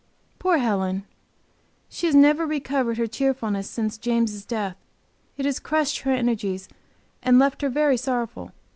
Poor Helen! She has never recovered her cheerfulness since James' death. It has crushed her energies and left her very sorrowful.